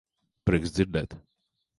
Prieks dzirdēt.